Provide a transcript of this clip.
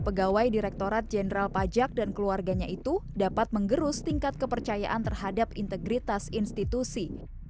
pegawai direkturat jenderal pajak dan keluarganya itu dapat menggerus tingkat kepercayaan terhadap integritas institusi